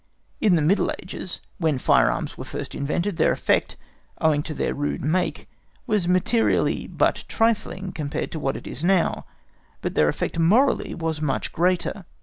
In the middle ages, when firearms were first invented, their effect, owing to their rude make, was materially but trifling compared to what it now is, but their effect morally was much greater.